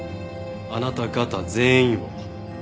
あなた方全員を。